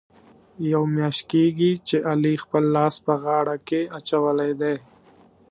یوه میاشت کېږي، چې علي خپل لاس په غاړه کې اچولی دی.